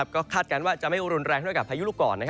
ก็คาดการณ์ว่าจะไม่รุนแรงเท่ากับพายุลูกก่อน